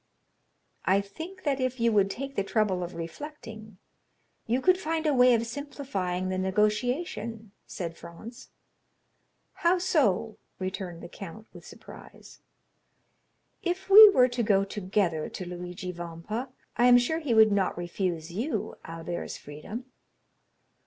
"I think that if you would take the trouble of reflecting, you could find a way of simplifying the negotiation," said Franz. "How so?" returned the count, with surprise. "If we were to go together to Luigi Vampa, I am sure he would not refuse you Albert's freedom."